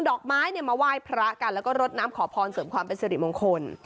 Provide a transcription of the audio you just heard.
ดอกไม้เนี่ยมาไหว้พระกันแล้วก็รดน้ำขอพรเสริมความเป็นสิริมงคล